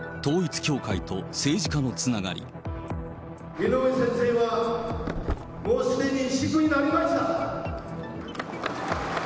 井上先生は、もうすでにシックになりました。